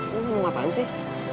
lo mau ngapain sih